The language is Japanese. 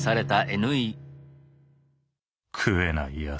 食えないやつ。